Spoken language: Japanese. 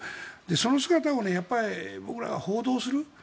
その姿を僕らは報道する。